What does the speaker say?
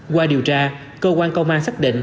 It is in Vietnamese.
qua điều tra cơ quan công an xác định